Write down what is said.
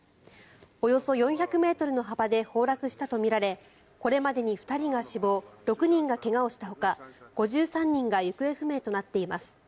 およそ４００ｍの幅で崩落したとみられこれまでに２人が死亡６人が怪我をしたほか５３人が行方不明となっています。